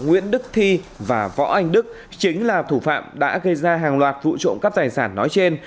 nguyễn đức thi và võ anh đức chính là thủ phạm đã gây ra hàng loạt vụ trộm cắp tài sản nói trên